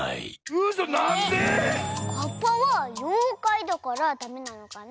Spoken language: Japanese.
うそなんで⁉カッパはようかいだからダメなのかな？